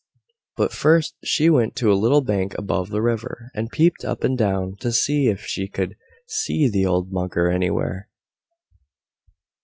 But first she went to a little bank above the river, and peeped up and down, to see if she could see the old Mugger anywhere.